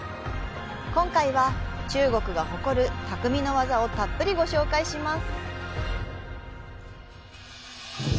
今回は、中国が誇るたくみの技をたっぷりご紹介します。